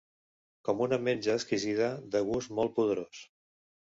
Com una menja exquisida de gust molt poderós.